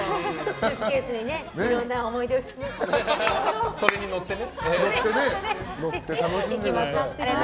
スーツケースにいろんな思い出を詰めていこうと。